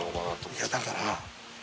いやだから。